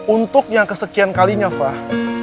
untuk yang kesekian kalinya fah